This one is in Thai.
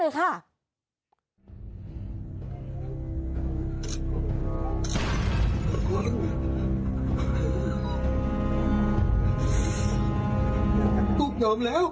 โอ้โห